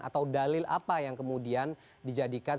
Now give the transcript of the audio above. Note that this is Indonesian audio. atau dalil apa yang kemudian dijadikan